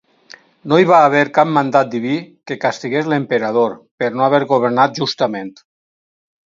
No hi va haver cap mandat diví que castigués l'emperador per no haver governat justament.